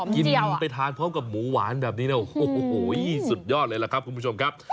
กินไปทานพร้อมกับหมูหวานแบบนี้นะโอ้โหสุดยอดเลยล่ะครับคุณผู้ชมครับ